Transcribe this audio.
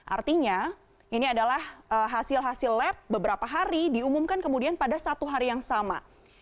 artinya ini adalah hasil hasil lab beberapa hari diumumkan kemudian pada satu hari yang sama